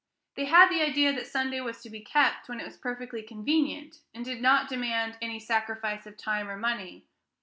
They had the idea that Sunday was to be kept when it was perfectly convenient, and did not demand any sacrifice of time or money.